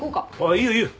いいよいいよ。